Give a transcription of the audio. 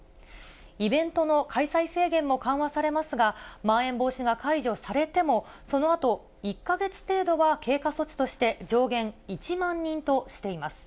イベントの開催制限も緩和されますが、まん延防止が解除されても、そのあと１か月程度は経過措置として、上限１万人としています。